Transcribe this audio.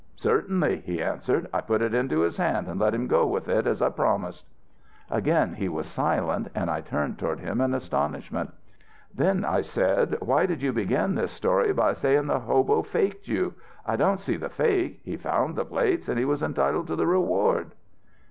"Certainly," he answered. "I put it into his hand, and let him go with it, as I promised." Again he was silent, and I turned toward him in astonishment. "Then," I said, "why did you begin this story by saying the hobo faked you? I don't see the fake; he found the plates and he was entitled to the reward."